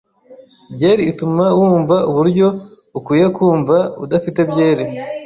Byeri ituma wumva uburyo ukwiye kumva udafite byeri.